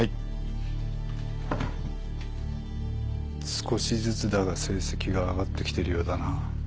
少しずつだが成績が上がってきてるようだな。